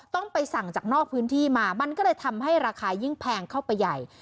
ต้องไปสั่งจากนอกพื้นที่มามันก็เลยทำให้ราคายิ่งแพงเข้าไปใหญ่